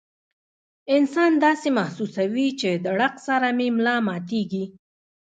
انسان داسې محسوسوي چې د ړق سره مې ملا ماتيږي